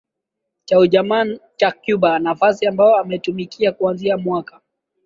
Cha Ujamaa cha Cuba nafasi ambayo ameitumikia kuanzia mwaka